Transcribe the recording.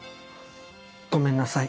ごめんなさい。